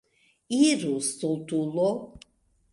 Iru, stultulo!